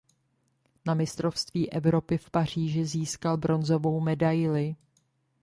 Na mistrovství Evropy v Paříži získal bronzovou medaili.